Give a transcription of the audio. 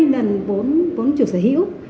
hai mươi lần vốn chủ sở hữu